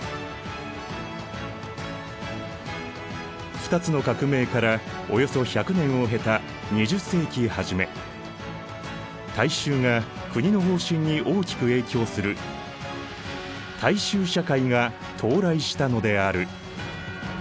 二つの革命からおよそ１００年を経た２０世紀初め大衆が国の方針に大きく影響する大衆社会が到来したのである。